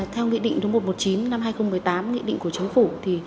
theo nghị định một trăm một mươi chín năm hai nghìn một mươi tám nghị định của chính phủ